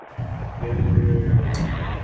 یہاں کی زمین میں تیل بھی ہے